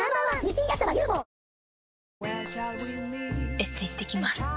エステ行ってきます。